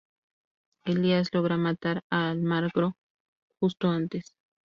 Elías logra matar a Almagro justo antes.